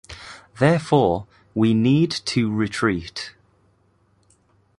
Therefore, we need to retreat.